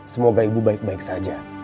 semoga ibu baik baik saja